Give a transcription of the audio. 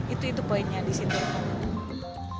itu itu poinnya di situ